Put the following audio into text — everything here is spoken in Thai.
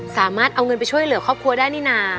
สามารถเอาเงินไปช่วยเหลือครอบครัวได้นี่นะ